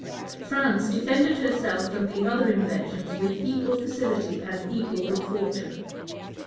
France defended herself from the other invasions with equal facility and equal good fortune.